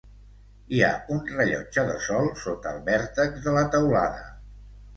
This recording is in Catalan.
Hi ha un rellotge de sol sota el vèrtex de la teulada.